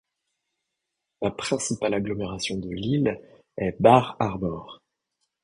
La principale agglomération de l’île est Bar Harbor.